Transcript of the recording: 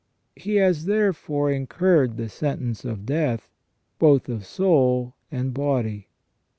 He has, therefore, incurred the sentence of death, both of soul and body.